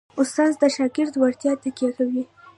استاد د شاګرد وړتیا تقویه کوي.